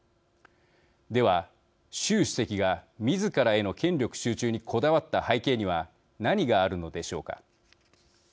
では、習主席がみずからへの権力集中にこだわった背景には何があるのでしょうか。